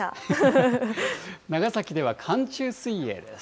長崎では寒中水泳です。